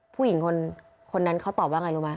ผู้หญิงคนนั้นเขาตอบว่าไงรู้ไหม